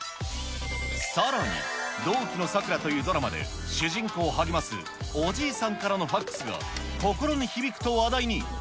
さらに、同期のサクラというドラマで、主人公を励ますおじいさんからのファックスが、心に響くと話題に。